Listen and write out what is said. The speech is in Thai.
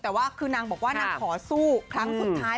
แต่ว่าคือนางบอกว่านางขอสู้ครั้งสุดท้าย